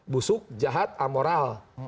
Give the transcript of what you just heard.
busuk jahat amoral